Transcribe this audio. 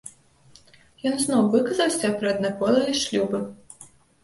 Ён зноў выказаўся пра аднаполыя шлюбы.